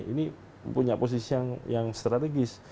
ini punya posisi yang strategis